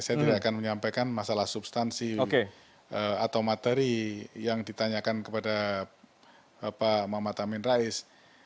saya tidak akan menyampaikan masalah substansi atau materi yang ditanyakan kepada pak mamata amin rais